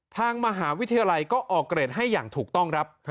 ทางมหาวิทยาลัยก็ออกเกรดให้อย่างถูกต้องครับ